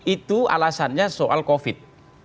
itu alasannya soal covid